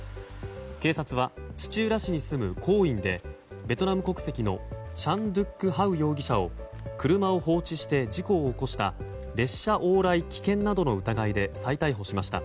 警察は、土浦市に住む工員でベトナム国籍のチャン・ドゥック・ハウ容疑者を車を放置して事故を起こした列車往来危険などの疑いで逮捕しました。